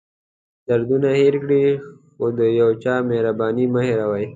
دردونه هېر کړئ خو د یو چا مهرباني مه هېروئ.